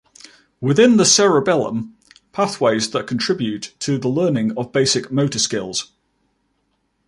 Within the cerebellum pathways that contribute to the learning of basic motor skills.